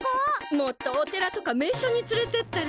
もっとお寺とか名所につれてったら？